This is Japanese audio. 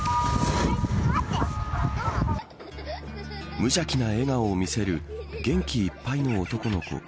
無邪気な笑顔を見せる元気いっぱいの男の子。